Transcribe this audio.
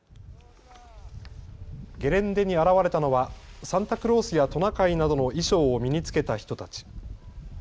ゲレンデに現れたのはサンタクロースやトナカイなどの衣装を身に着けた人たち。